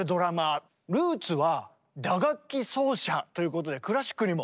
ルーツは打楽器奏者ということでクラシックにも。